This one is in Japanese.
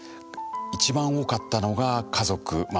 一番多かったのが家族ま